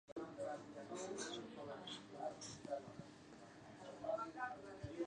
مەلا ئەم جغارەت بۆگەنی دێت!